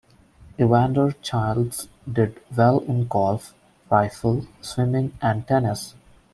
Evander Childs did well in golf, rifle, swimming, and tennis.